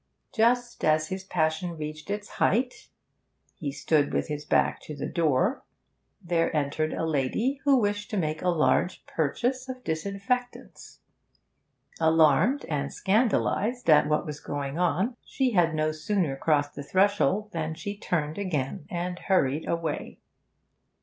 Just as his passion reached its height (he stood with his back to the door) there entered a lady who wished to make a large purchase of disinfectants. Alarmed and scandalised at what was going on, she had no sooner crossed the threshold than she turned again, and hurried away.